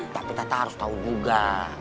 tapi tata harus tau juga